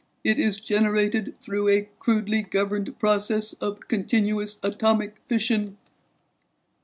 It is generated through a crudely governed process of continuous atomic fission."